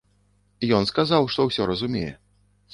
Ён сказаў, што ўсё разумее.